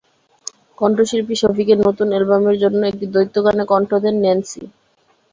কণ্ঠশিল্পী শফিকের নতুন অ্যালবামের জন্য একটি দ্বৈত গানে কণ্ঠ দেন ন্যান্সি।